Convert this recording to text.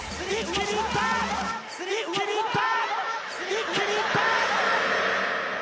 一気にいった！